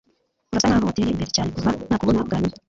Urasa nkaho wateye imbere cyane kuva nakubona bwa nyuma